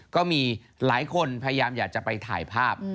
ก็มีหลายคนพยายามอยากจะไปถ่ายภาพ